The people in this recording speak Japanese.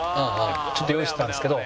ちょっと用意してたんですけど。